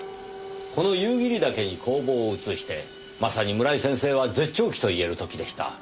この夕霧岳に工房を移してまさに村井先生は絶頂期と言える時でした。